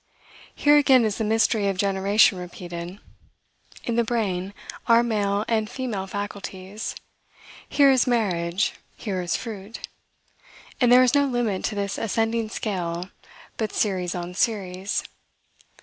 Here again is the mystery of generation repeated. In the brain are male and female faculties; here is marriage, here is fruit. And there is no limit to this ascending scale, but series on series.